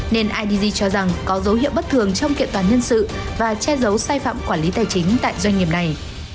nên idg cho rằng có dấu hiệu bất thường trong kiện toàn nhân sự và che giấu sai phạm quản lý tài chính tại doanh nghiệp này